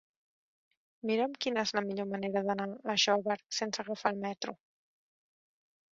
Mira'm quina és la millor manera d'anar a Xóvar sense agafar el metro.